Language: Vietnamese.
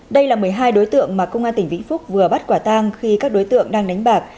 đây là một mươi hai đối tượng mà công an tỉnh vĩnh phúc vừa bắt quả tang khi các đối tượng đang đánh bạc